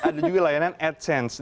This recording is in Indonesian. ada juga layanan adsense